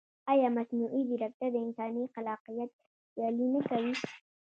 ایا مصنوعي ځیرکتیا د انساني خلاقیت سیالي نه کوي؟